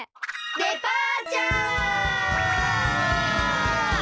デパーチャー！